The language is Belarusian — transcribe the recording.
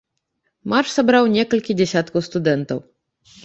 Марш сабраў некалькі дзясяткаў студэнтаў.